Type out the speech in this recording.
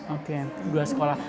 oke dua sekolah